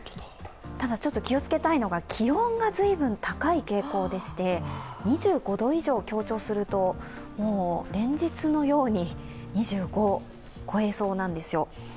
ただ、気をつけたいのは気温が随分高い傾向でして、２５度以上を強調すると連日のように２５を超えそうなんですよ。